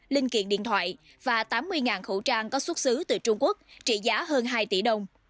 linh kiện điện thoại và tám mươi khẩu trang có xuất xứ từ trung quốc trị giá hơn hai tỷ đồng